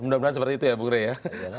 mudah mudahan seperti itu ya bu grey ya